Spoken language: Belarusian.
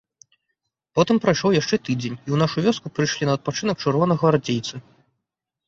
Потым прайшоў яшчэ тыдзень, і ў нашу вёску прыйшлі на адпачынак чырвонагвардзейцы.